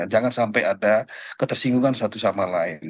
jangan sampai ada ketersinggungan satu sama lain